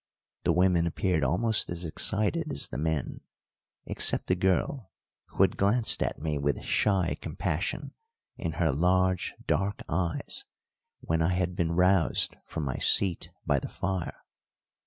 The women appeared almost as excited as the men, except the girl, who had glanced at me with shy compassion in her large, dark eyes when I had been roused from my seat by the fire.